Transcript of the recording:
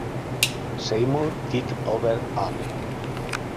Seymour, "Kyk-over-Al".